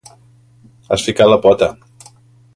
Has ficat la pota.